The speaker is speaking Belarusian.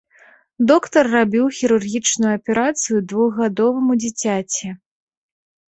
Доктар рабіў хірургічную аперацыю двухгадоваму дзіцяці.